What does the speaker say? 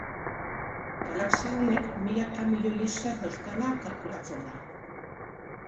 Galaxia honek milaka milioi izar dauzkala kalkulatzen da.